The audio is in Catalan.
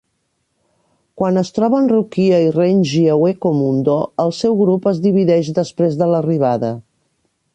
Quan es troben Rukia i Renji a Hueco Mundo, el seu grup es divideix després de l'arribada.